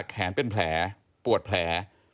แขนเป็นแผลปวดแผล